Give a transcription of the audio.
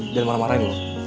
jangan marah marahin lo